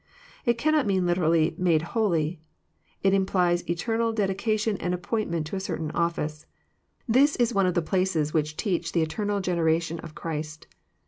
It cannot mean liter ally *' made holy." It implies eternal dedication and appoint ment to a certain office. This is one of the places which teach the eternal generation of Christ.